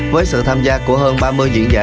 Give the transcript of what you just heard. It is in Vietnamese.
với sự tham gia của hơn ba mươi diễn giả